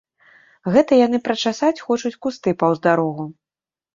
Гэта яны прачасаць хочуць кусты паўз дарогу.